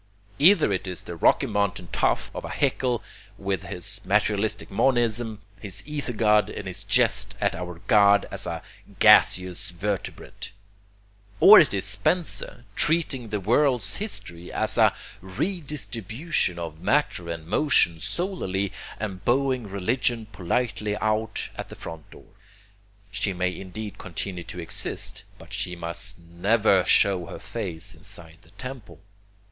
Either it is that Rocky Mountain tough of a Haeckel with his materialistic monism, his ether god and his jest at your God as a 'gaseous vertebrate'; or it is Spencer treating the world's history as a redistribution of matter and motion solely, and bowing religion politely out at the front door: she may indeed continue to exist, but she must never show her face inside the temple.